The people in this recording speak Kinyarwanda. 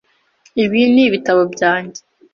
Ibi ni ibitabo byanjye .